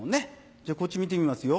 じゃあこっち見てみますよ。